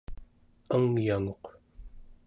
angyanguq